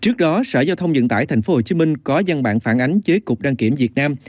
trước đó sở giao thông dựng tại tp hcm có gian bản phản ánh với cục đăng kiểm việt nam